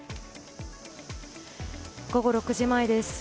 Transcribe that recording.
午後６時前です。